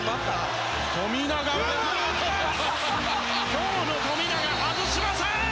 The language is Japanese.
今日の富永、外しません！